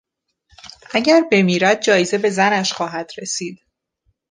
اگر بمیرد جایزه به زنش خواهد رسید.